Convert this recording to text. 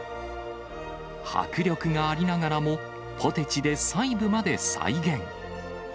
迫力がありながらも、ポテチで細部まで再現。